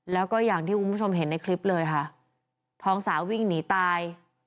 แล้วก็อย่างที่คุณผู้ชมเห็นในคลิปเลยค่ะท้องสาววิ่งหนีตาย